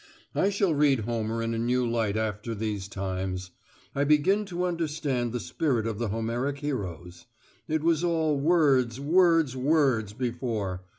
I shall read Homer in a new light after these times. I begin to understand the spirit of the Homeric heroes; it was all words, words, words before.